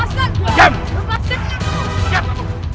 saya pantas sekali dahulu